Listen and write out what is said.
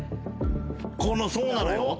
このそうなのよ。